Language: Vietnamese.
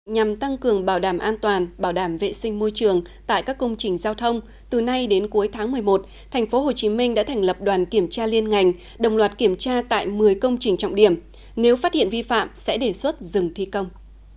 nhằm tăng cường bảo đảm an toàn bảo đảm vệ sinh môi trường tại các công trình giao thông từ nay đến cuối tháng một mươi một tp hcm đã thành lập đoàn kiểm tra liên ngành đồng loạt kiểm tra tại một mươi công trình trọng điểm nếu phát hiện vi phạm sẽ đề xuất dừng thi công